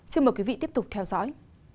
xin mời quý vị tiếp tục theo dõi